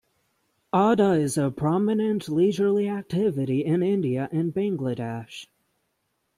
Adda is a prominent leisurely activity in India and Bangladesh.